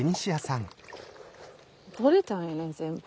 取れたやん全部。